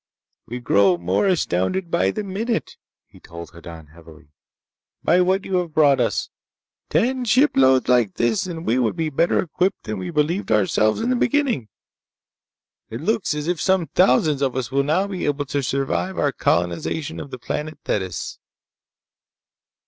"We grow more astounded by the minute," he told Hoddan heavily, "by what you have brought us. Ten shiploads like this and we would be better equipped than we believed ourselves in the beginning. It looks as if some thousands of us will now be able to survive our colonization of the planet Thetis."